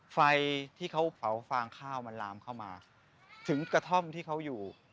ไฟที่เขาเผาฟางข้าวมันลามเข้ามาถึงกระท่อมที่เขาอยู่